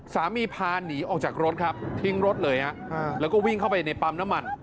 พาหนีออกจากรถครับทิ้งรถเลยแล้วก็วิ่งเข้าไปในปั๊มน้ำมัน